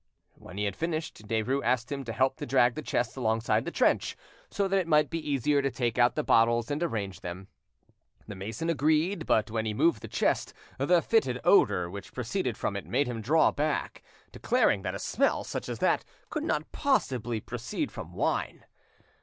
When he had finished, Derues asked him to help to drag the chest alongside the trench, so that it might be easier to take out the bottles and arrange them: The mason agreed, but when he moved the chest the foetid odour which proceeded from it made him draw back, declaring that a smell such as that could not possibly proceed from wine.